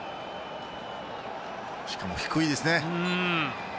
しかも低いですね。